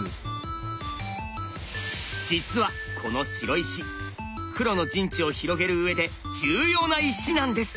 実はこの白石黒の陣地を広げるうえで重要な石なんです。